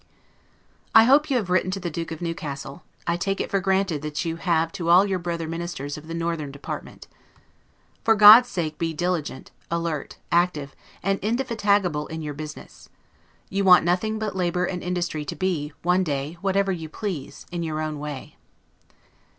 I hope you have written to the Duke of Newcastle; I take it for granted that you have to all your brother ministers of the northern department. For God's sake be diligent, alert, active, and indefatigable in your business. You want nothing but labor and industry to be, one day, whatever you please, in your own way.